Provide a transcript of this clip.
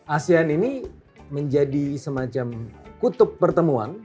asean ini menjadi semacam kutub pertemuan